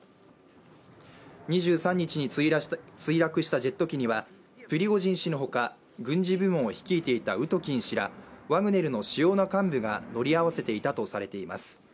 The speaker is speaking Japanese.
２３日に墜落したジェット機にはプリゴジン氏のほか軍事部門を率いていたウトキン氏らワグネルの主要な幹部が乗り合わせていたとされています。